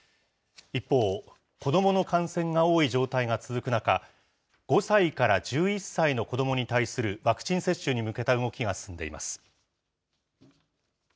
一方、子どもの感染が多い状態が続く中、５歳から１１歳の子どもに対するワクチン接種に向けた動きが進んでいます。